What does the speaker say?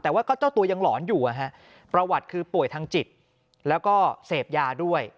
แต่ว่าก็เจ้าตัวยังหลอนอยู่ประวัติคือป่วยทางจิตแล้วก็เสพยาด้วย